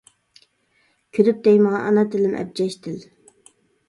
كۈلۈپ دەيمەن ئانا تىلىم ئەبجەش تىل.